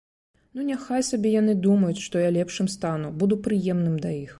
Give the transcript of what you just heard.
Ну, няхай сабе яны думаюць, што я лепшым стану, буду прыемным да іх.